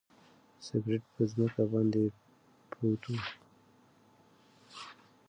سګرټ په ځمکه باندې پروت و.